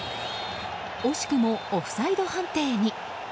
惜しくもオフサイド判定に。